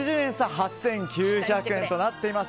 ８９００円となっています。